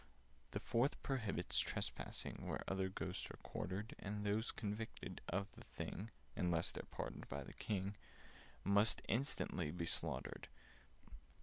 "The Fourth prohibits trespassing Where other Ghosts are quartered: And those convicted of the thing (Unless when pardoned by the King) Must instantly be slaughtered.